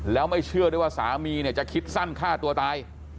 แล้วไม่เชื่อด้วยว่าสามีเนี่ยจะคิดสั้นฆ่าตัวตาย